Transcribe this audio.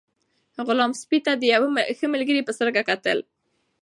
غلام سپي ته د یو ملګري په سترګه کتل.